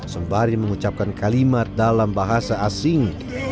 sembari mengucapkan kalimat dalam bahasa asing